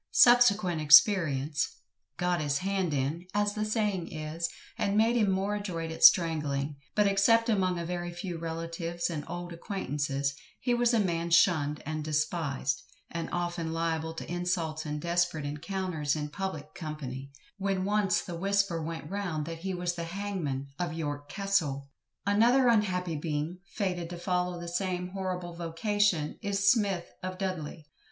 Subsequent experience "got his hand in" as the saying is, and made him more adroit at strangling, but except among a very few relatives and old acquaintances, he was a man shunned and despised, and often liable to insults and desperate encounters in public company, when once the whisper went round that he was the hangman of YORK CASTLE. Another unhappy being, fated to follow the same horrible vocation, is SMITH, of Dudley.